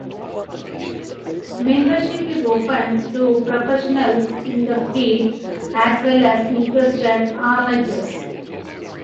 Membership is opened to professionals in the field as well as interested amateurs.